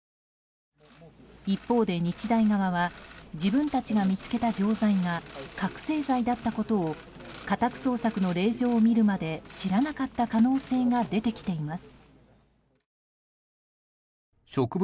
一方で、日大側は自分たちが見つけた錠剤が覚醒剤だったことを家宅捜索の令状を見るまで知らなかった可能性が出てきています。